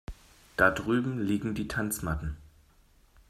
Da drüben liegen die Tanzmatten.